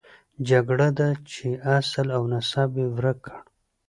جګړه ده چې اصل او نسب یې ورک کړ.